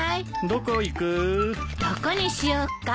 どこにしよっか？